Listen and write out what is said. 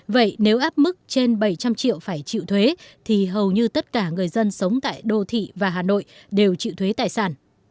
vậy nếu áp mức trên bảy trăm linh triệu phải chịu thuế thì hầu như tất cả người dân sống tại đô thị và hà nội đều chịu thuế tài sản